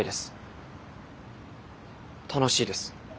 楽しいです